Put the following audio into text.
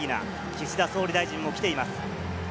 岸田総理大臣も来ています。